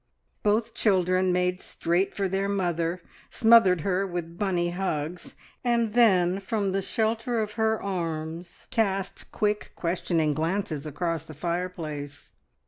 Both children made straight for their mother, smothered her with "Bunnie" hugs, and then from the shelter of her arms cast quick, questioning glances across the fireplace.